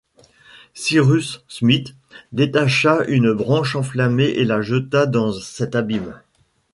Cyrus Smith détacha une branche enflammée et la jeta dans cet abîme